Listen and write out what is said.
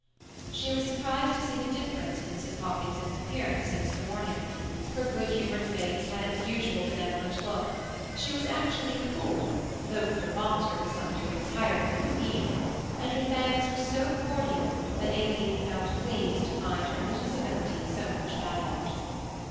She was surprised to see the difference in Mrs. Hopkinson's appearance since the morning. Her good humoured face had its usual benevolent look; she was actually cool, though the thermometer was some degrees higher than it had been, and her thanks were so cordial that Aileen felt pleased to find her little civility so much valued.